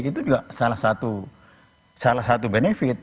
itu juga salah satu benefit